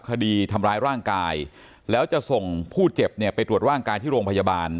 คดีทำร้ายร่างกายแล้วจะส่งผู้เจ็บเนี่ยไปตรวจร่างกายที่โรงพยาบาล